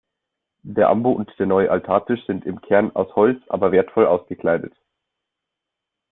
Der Ambo und der neue Altartisch sind im Kern aus Holz aber wertvoll ausgekleidet.